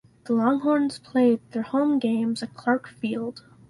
The Longhorns played their home games at Clark Field.